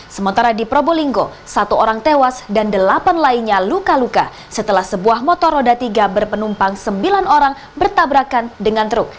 sementara di probolinggo satu orang tewas dan delapan lainnya luka luka setelah sebuah motor roda tiga berpenumpang sembilan orang bertabrakan dengan truk